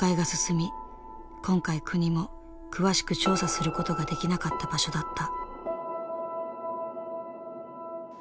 今回国も詳しく調査することができなかった場所だった。